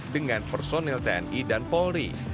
dengan personil tni dan polri